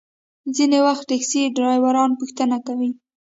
ځینې وخت ټکسي ډریوران پوښتنه کوي.